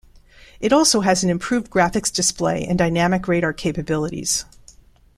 It also has an improved graphics display and dynamic radar capabilities.